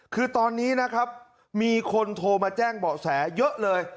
คือตอนนี้นะครับมีคนโทรมาแจ้งเบาะแสเยอะเลย